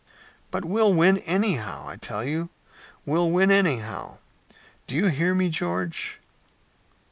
"But we'll win anyhow. I tell you, we'll win anyhow! Do you hear me, George?"